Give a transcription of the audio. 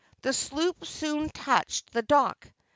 The sloop soon touched the dock.